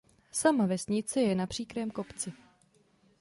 Sama vesnice je na příkrém kopci.